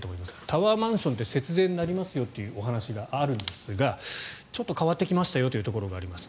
タワーマンションって節税になりますよという話があるんですがちょっと変わってきましたよということがあります。